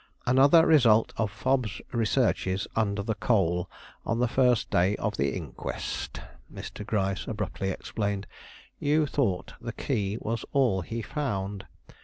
"Another result of Fobbs' researches under the coal on the first day of the inquest," Mr. Gryce abruptly explained. "You thought the key was all he found.